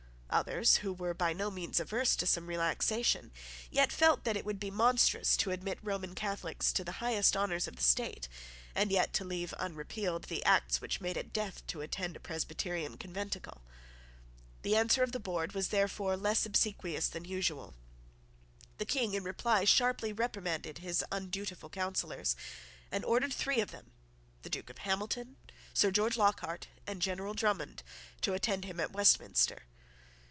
Others, who were by no means averse to some relaxation, yet felt that it would be monstrous to admit Roman Catholics to the highest honours of the state, and yet to leave unrepealed the Act which made it death to attend a Presbyterian conventicle. The answer of the board was, therefore, less obsequious than usual. The King in reply sharply reprimanded his undutiful Councillors, and ordered three of them, the Duke of Hamilton, Sir George Lockhart, and General Drummond, to attend him at Westminster.